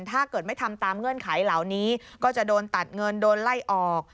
ถ้าเกิดไม่ทำตามเงื่อนไขเหล่านี้ก็จะโดนตัดเงินโดนไล่ออก